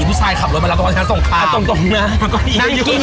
กูก็เย็นแหงวอย่างเนี้ย